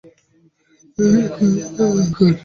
মেই, কথা বলা দরকার।